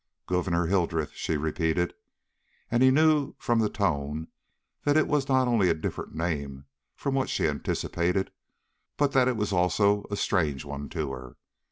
"Gouverneur Hildreth!" she repeated. And he knew from the tone that it was not only a different name from what she anticipated, but that it was also a strange one to her.